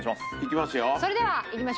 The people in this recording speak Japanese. いきますよ。